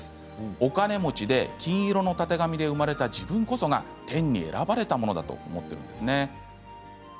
お金持ちで、金色のたてがみで生まれた自分こそが天に選ばれた者だと思っています。